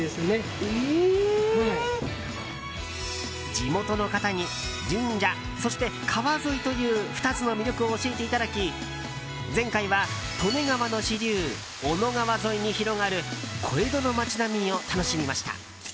地元の方に神社そして川沿いという２つの魅力を教えていただき前回は利根川の支流小野川沿いに広がる小江戸の街並みを楽しみました。